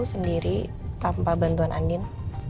sendiri tanpa bantuan andien